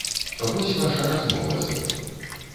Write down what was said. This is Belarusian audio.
Вось ваша размова з ім.